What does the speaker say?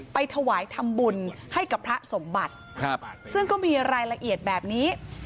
ไปถวายทำบุญให้กับพระสมบัติซึ่งก็มีรายละเอียดแบบนี้